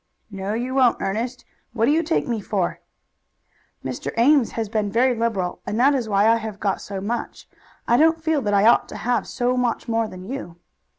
"No, you won't, Ernest. What do you take me for?" "Mr. Ames has been very liberal, and that is why I have got so much. I don't feel that I ought to have so much more than you."